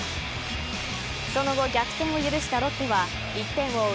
その後、逆転を許したロッテは１点を追う